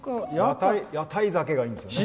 屋台酒がいいんですよね。